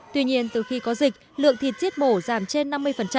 tuy nhiên từ khi có dịch lượng thịt giết mổ giảm trên năm mươi